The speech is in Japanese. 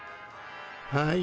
はい。